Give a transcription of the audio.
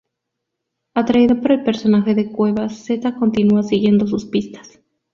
Atraído por el personaje de Cuevas, Z continúa siguiendo sus pistas.